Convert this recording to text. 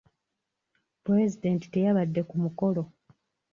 Pulezidenti teyabadde ku mukolo.